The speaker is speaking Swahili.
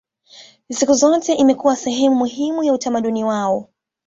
Siku zote imekuwa sehemu muhimu ya utamaduni wao